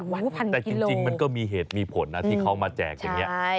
แต่จริงมันก็มีเหตุมีผลนะที่เขามาแจกอย่างนี้